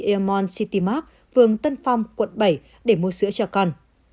airmont city mart vườn tân phòng quận bảy để mua sữa cho con